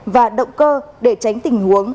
và động cơ để tránh tình huống